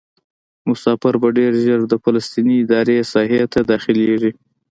مسافر به ډېر ژر د فلسطیني ادارې ساحې ته داخلیږي.